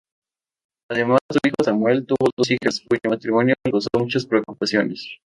Además de su hijo Samuel, tuvo dos hijas, cuyo matrimonio le causó muchas preocupaciones.